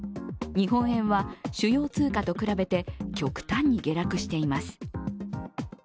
日本円は主要通貨と比べて極端に下落しています。